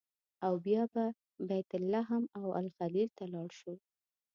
او بیا به بیت لحم او الخلیل ته لاړ شو.